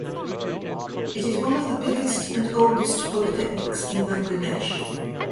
It is one of the biggest and oldest polytechnics in Bangladesh.